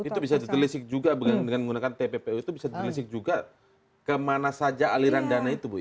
itu bisa terlesik juga dengan menggunakan tppu itu bisa terlesik juga kemana saja aliran dana itu